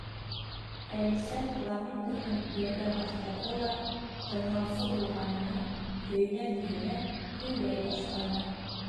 Әлисә фламингоһын ергә баҫтырҙы ла, тыңлаусы булғанына һөйөнә-һөйөнә һөйләй башланы.